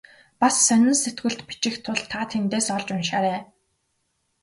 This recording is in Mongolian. Бас сонин сэтгүүлд бичих тул та тэндээс олж уншаарай.